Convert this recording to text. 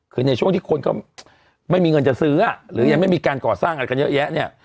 คือในช่วงที่คนก็ไม่มีเงินจะซื้อหรือยังไม่มีการก่อสร้างอะไรกันเยอะแยะเนี่ย